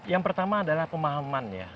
yang pertama adalah pemahaman ya